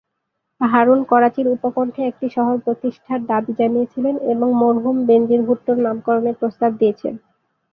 হারুন করাচির উপকণ্ঠে একটি শহর প্রতিষ্ঠার দাবি জানিয়েছিলেন এবং মরহুম বেনজির ভুট্টোর নামকরণের প্রস্তাব দিয়েছেন।